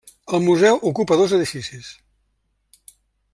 El museu ocupa dos edificis.